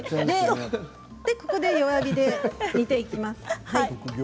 これで弱火で煮ていきます。